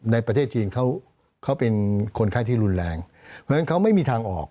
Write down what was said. ประเทศจีนเขาเขาเป็นคนไข้ที่รุนแรงเพราะฉะนั้นเขาไม่มีทางออก